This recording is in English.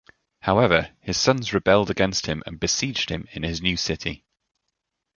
However, his sons rebelled against him and besieged him in his new city.